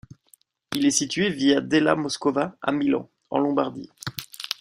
Il est situé via della Moscova, à Milan, en Lombardie.